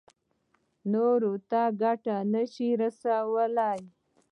نورو ته ګټه نه شي رسولی.